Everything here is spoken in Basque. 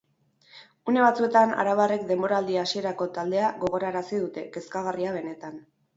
Une batzuetan arabarrek denboraldi hasierako taldea gogorarazi dute, kezkagarria benetan.